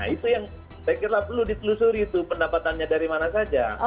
itu yang saya kira perlu ditelusuri itu pendapatannya dari mana saja